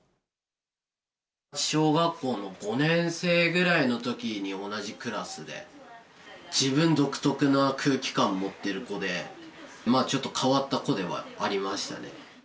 小学校の５年生くらいのときに、同じクラスで、自分独特の空気感持ってる子で、ちょっと変わった子ではありましたね。